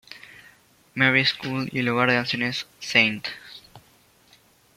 Mary school y el hogar de ancianos St.